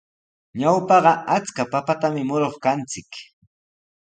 Ñawpaqa achka papatami muruq kanchik.